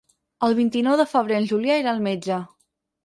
El vint-i-nou de febrer en Julià irà al metge.